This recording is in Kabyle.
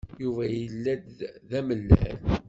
Yuba yella-d d amalal.